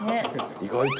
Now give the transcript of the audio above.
意外と。